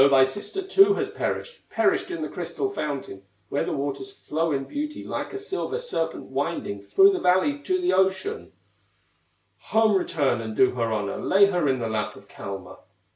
thy sister too has perished, Perished in the crystal fountain, Where the waters flow in beauty, Like a silver serpent winding Through the valley to the ocean; Home return and do her honor, Lay her in the lap of Kalma."